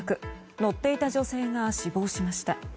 乗っていた女性が死亡しました。